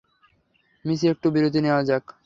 মিচি একটু বিরতি নেওয়া যাক।